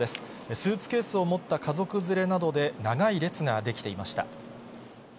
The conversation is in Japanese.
スーツケースを持った家族連れなどで、長い列が出来ていました。